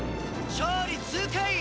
勝利痛快！